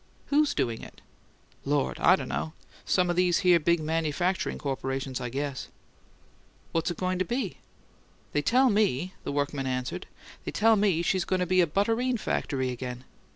"Who's doing it?" "Lord! I d' know. Some o' these here big manufacturing corporations, I guess." "What's it going to be?" "They tell ME," the workman answered "they tell ME she's goin' to be a butterine factory again.